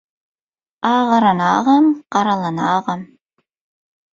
Agaranagam, garalanagam.